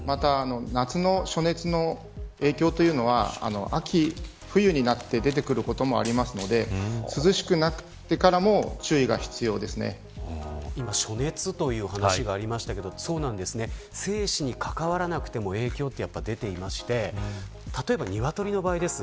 また夏の暑熱の影響は秋、冬になって出てくることもありますので涼しくなってからも暑熱という話がありましたが生死にかかわらなくても影響が出ていまして例えば鶏の場合です。